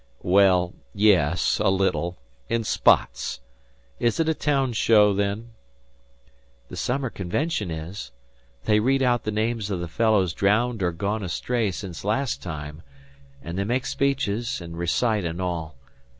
"Well yes. A little. In spots. Is it a town show, then?" "The summer convention is. They read out the names of the fellows drowned or gone astray since last time, and they make speeches, and recite, and all.